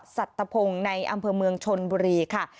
สัตพงศ์ในอำเภอเมืองชนบุรีค่ะ